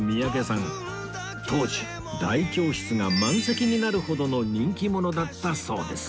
当時大教室が満席になるほどの人気者だったそうです